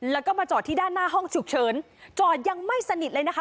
แล้วก็มาจอดที่ด้านหน้าห้องฉุกเฉินจอดยังไม่สนิทเลยนะคะ